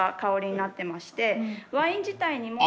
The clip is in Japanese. ワイン自体にも。